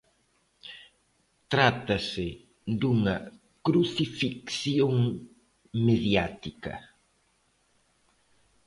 Trátase dunha crucifixión mediática.